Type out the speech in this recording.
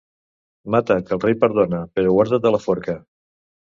Mata, que el rei perdona; però guarda't de la forca.